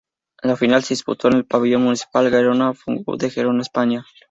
La final four se disputó en el Pabellón Municipal Gerona-Fontajau de Gerona, España.